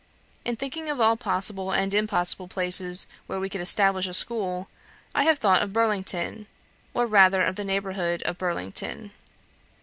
In thinking of all possible and impossible places where we could establish a school, I have thought of Burlington, or rather of the neighbourhood of Burlington.